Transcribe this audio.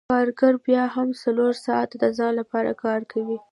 کارګر بیا هم څلور ساعته د ځان لپاره کار کوي